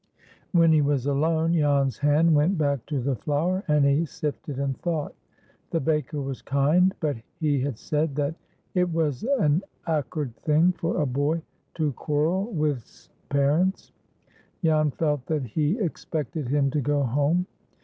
When he was alone, Jan's hand went back to the flour, and he sifted and thought. The baker was kind, but he had said that "it was an ackerd thing for a boy to quarrel with's parents." Jan felt that he expected him to go home.